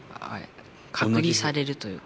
隔離されるというか。